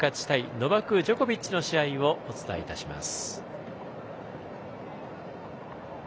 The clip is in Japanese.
ノバク・ジョコビッチの試合をお伝えいたします。